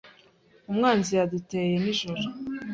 Umwanzi yaduteye nijoro.